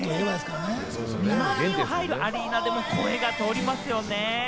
２万人が入るアリーナでも声が通りますよね。